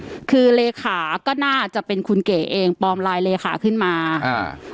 คือเลขาก็น่าจะเป็นคุณเก๋เองปลอมลายเลขาขึ้นมาอ่า